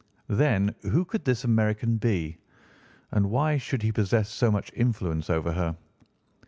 Then who could this American be, and why should he possess so much influence over her?